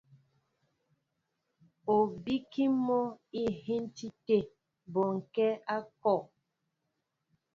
Ú bíkí mɔ́ íhíntí tə̂ bɔnkɛ́ a kɔ.